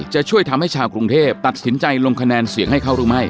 จะช่วยทำให้ชาวกรุงเทพตัดสินใจลงคะแนนเสียงให้เขาหรือไม่